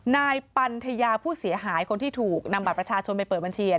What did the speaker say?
นายปันทยาผู้เสียหายคนที่ถูกนำบัตรประชาชนไปเปิดบัญชี